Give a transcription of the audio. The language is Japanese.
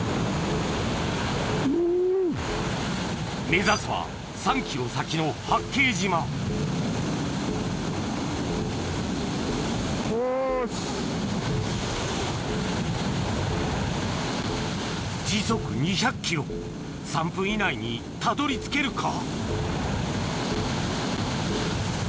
目指すは３ｋｍ先の八景島時速２００ｋｍ３分以内にたどり着けるか？